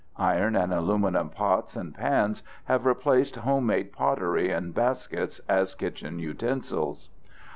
Iron and aluminum pots and pans have replaced homemade pottery and baskets as kitchen utensils.